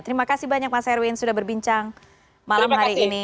terima kasih banyak mas erwin sudah berbincang malam hari ini